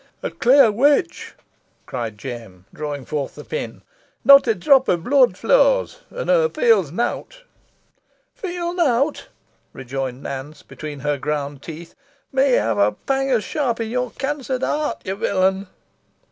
"A clear witch!" cried Jem, drawing forth the pin; "not a drop o' blood flows, an hoo feels nowt!" "Feel nowt?" rejoined Nance, between her ground teeth. "May ye ha a pang os sharp i' your cancart eart, ye villain."